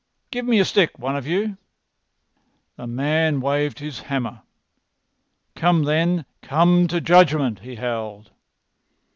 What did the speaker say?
Give me a stick, one of you." The man waved his hammer. "Come, then! Come to judgment!" he howled.